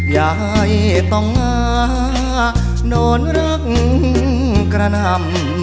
อย่าให้ต้องหานอนรักกระหน่ำ